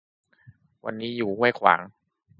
วันนี้อยู่ห้วยขวาง